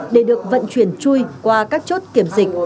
để được vận chuyển chui qua các chốt kiểm dịch